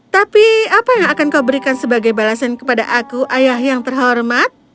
tapi apa yang akan kau berikan sebagai balasan kepada aku ayah yang terhormat